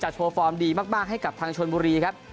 โชว์ฟอร์มดีมากให้กับทางชนบุรีครับ